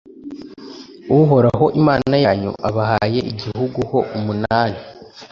uhoraho imana yanyu abahaye igihugu ho umunani;